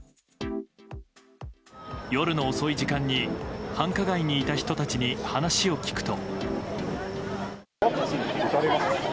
夜の遅い時間に繁華街にいた人たちに話を聞くと。